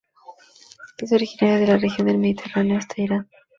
Es originaria de la región del Mediterráneo hasta Irán.